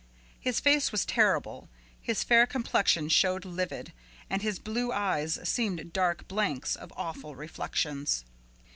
His face was terrible, his fair complexion showed livid, and his blue eyes seemed dark blanks of awful reflections.